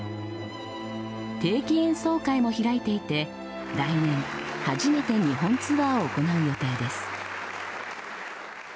定期演奏会も開いていて来年初めて日本ツアーを行う予定です。